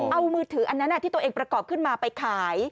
เอามือถืออันนั้นที่ตัวเองประกอบขึ้นมาไปขาย